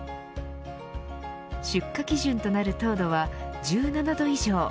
出荷基準となる糖度は１７度以上。